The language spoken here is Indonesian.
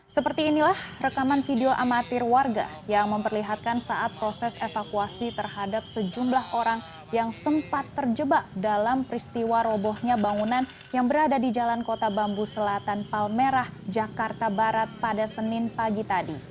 seperti inilah rekaman video amatir warga yang memperlihatkan saat proses evakuasi terhadap sejumlah orang yang sempat terjebak dalam peristiwa robohnya bangunan yang berada di jalan kota bambu selatan palmerah jakarta barat pada senin pagi tadi